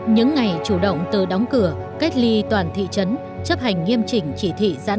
những ngày chủ động từ đóng cửa cách ly toàn thị trấn